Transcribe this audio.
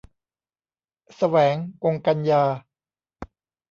แสวง กงกันยา